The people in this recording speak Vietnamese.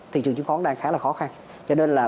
thị trường chứng khoán đang khá là khó khăn cho nên là